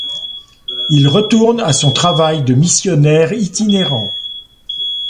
Il retourne à son travail de missionnaire itinérant.